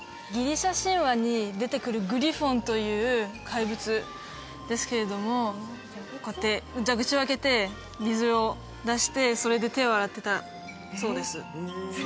ギリシャ神話に出てくるグリフォンという怪物ですけれどもこうやって蛇口を開けて水を出してそれで手を洗ってたそうです